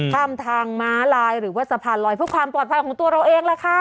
ข้ามทางม้าลายหรือว่าสะพานลอยเพื่อความปลอดภัยของตัวเราเองล่ะค่ะ